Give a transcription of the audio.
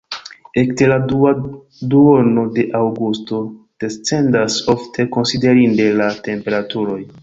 Ekde la dua duono de aŭgusto descendas ofte konsiderinde la temperaturoj.